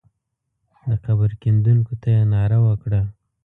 د قبر کیندونکو ته یې ناره وکړه.